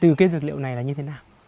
từ cây dược liệu này là như thế nào